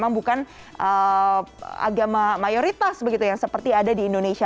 memang bukan agama mayoritas begitu yang seperti ada di indonesia